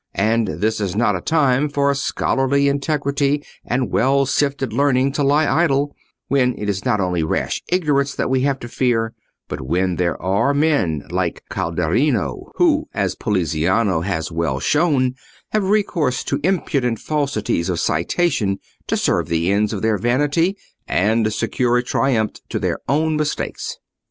And this is not a time for scholarly integrity and well sifted learning to lie idle, when it is not only rash ignorance that we have to fear, but when there are men like Calderino, who, as Poliziano has well shown, have recourse to impudent falsities of citation to serve the ends of their vanity and secure a triumph to their own mistakes.